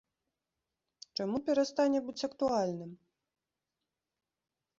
Чаму перастане быць актуальным?